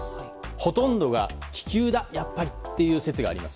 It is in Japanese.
ほとんどが気球だ、やっぱりという説があります。